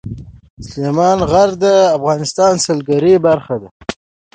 سلیمان غر د افغانستان د سیلګرۍ برخه ده.